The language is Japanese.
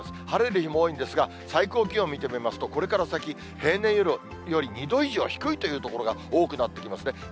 晴れる日も多いんですが、最高気温を見てみますと、これから先、平年より２度以上低いという所が多くなってきますね。